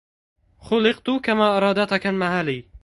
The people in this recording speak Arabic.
خلقت كما أرادتك المعالي